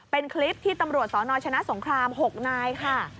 เป็นคลิปที่ตำรวจสนชนะสงคราม๖นายค่ะ